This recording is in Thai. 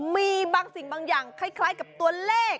มีบางสิ่งบางอย่างคล้ายกับตัวเลข